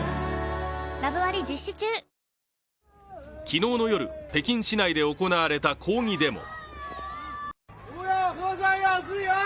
昨日の夜、北京市内で行われた抗議デモ。